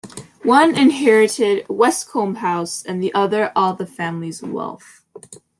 One inherited Westcombe House and the other all the families wealth.